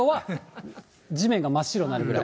地面が真っ白になるぐらい。